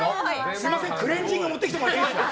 すみませんクレンジング持ってきてもらっていいですか！